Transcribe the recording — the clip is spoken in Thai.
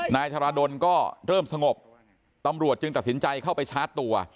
นายธรดลก็เริ่มสงบตำรวจจึงตัดสินใจเข้าไปชาร์จตัว